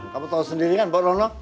kamu tahu sendiri kan mbak rono